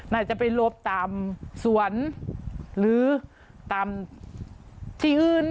น่าจะไปลบตามสวนหรือตามที่อื่น